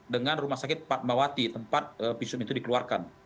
dengan rumah sakit pak mbawati tempat visum itu dikeluarkan